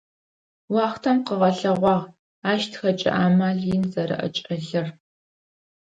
Уахътэм къыгъэлъэгъуагъ ащ тхэкӏэ амал ин зэрэӏэкӏэлъыр.